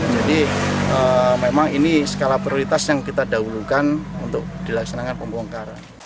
jadi memang ini skala prioritas yang kita dahulukan untuk dilaksanakan pembongkaran